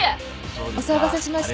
お騒がせしました。